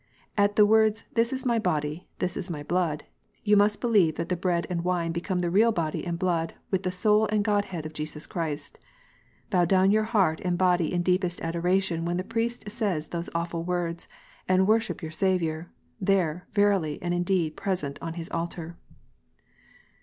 "At the words this is My body, this is My blood, you must believe that the bread and wine become the real body and blood with the Soul and God head of Jesus Christ. Bew down your heart and body in deepest adoration when the priest says those awful words, and worship your Saviour, there, verily, and indeed present on His altar."